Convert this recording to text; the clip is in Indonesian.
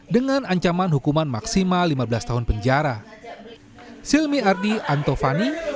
dengan ancaman hukuman maksimal lima belas tahun penjara